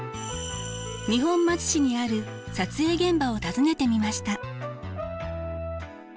二本松市にある撮影現場を訪ねてみました。